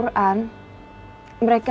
mereka selalu mengatakan